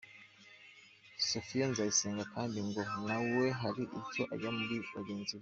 Sophia Nzayisenga kandi, ngo nawe hari icyo ajyanye muri bagenzi be.